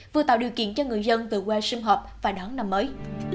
vừa tạo điều kiện cho người dân vừa qua sinh hợp và đón năm mới